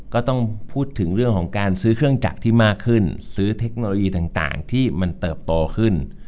ก็ต้องพูดถึงเรื่องของการซื้อเครื่องจักรที่มากขึ้นซื้อเทคโนโลยีต่างที่มันเติบโตขึ้น